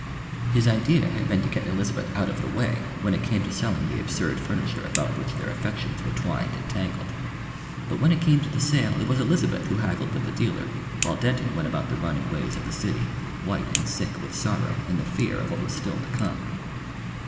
His idea had been to get Elizabeth out of the way when it came to selling the absurd furniture about which their affections were twined and tangled; but when it came to the sale it was Elizabeth who haggled with the dealer while Denton went about the running ways of the city, white and sick with sorrow and the fear of what was still to come.